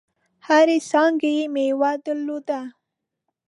هرې څانګي یې مېوه درلوده .